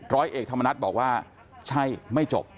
ร้อยเอกธรรมนัฏบอกว่าใช่ไม่จบ